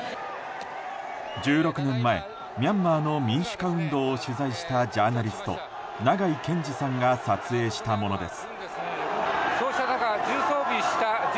１６年前、ミャンマーの民主化運動を取材したジャーナリスト、長井健司さんが撮影したものです。